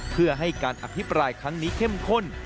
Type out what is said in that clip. เพื่อให้การอภิปรายครั้งนี้เข้มข้น